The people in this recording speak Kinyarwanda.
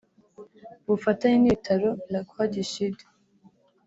ku bufatanye n’ibitaro la Croix du Sud